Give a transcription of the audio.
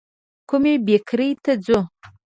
کومي بېکرۍ ته ځو ؟